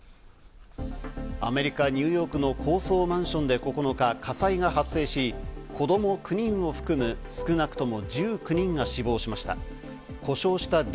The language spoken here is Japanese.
アメリカ・ニューヨークの高層マンションで９日、火災が発生し子供９人を含む、少なくとも１９人が死亡しました。